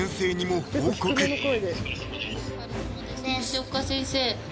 西岡先生